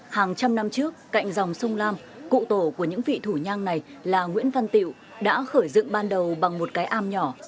hàng trăm năm trước cạnh dòng sông lam cụ tổ của những vị thủ nhang này là nguyễn văn tiệu đã khởi dựng ban đầu bằng một cái am nhỏ